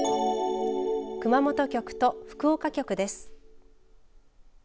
熊本局と福岡局です。